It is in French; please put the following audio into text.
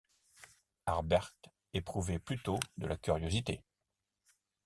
Harbert éprouvait plutôt de la curiosité.